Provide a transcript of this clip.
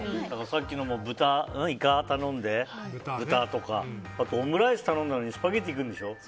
さっきのもイカ頼んで豚とか、オムライス頼んだのにスパゲティが来るんでしょ。